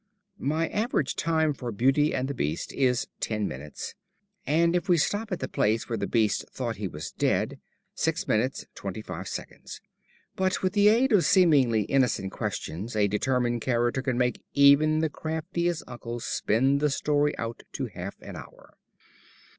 My average time for Beauty and the Beast is ten minutes, and, if we stop at the place where the Beast thought he was dead, six minutes twenty five seconds. But, with the aid of seemingly innocent questions, a determined character can make even the craftiest uncle spin the story out to half an hour.